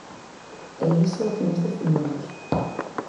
E iso é o que nós defendemos.